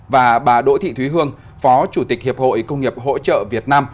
và bà đỗ thị thúy hương phó chủ tịch hiệp hội công nghiệp hỗ trợ việt nam